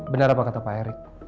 benar apa kata pak erick